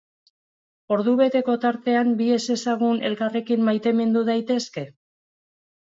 Ordubeteko tartean, bi ezezagun elkarrekin maitemindu daitezke?